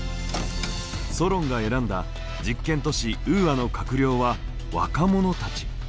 ソロンが選んだ実験都市ウーアの閣僚は若者たち。